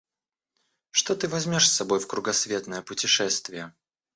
Что ты возьмешь с собой в кругосветное путешествие?